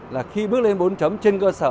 là khi bước lên bốn chấm trên cơ sở